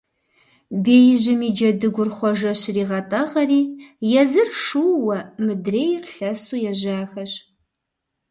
Беижьым и джэдыгур Хъуэжэ щригъэтӀагъэри, езыр шууэ, мыдрейр лъэсу ежьахэщ.